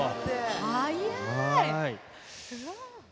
速い！